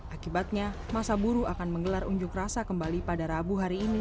akibatnya masa buruh akan menggelar unjuk rasa kembali pada rabu hari ini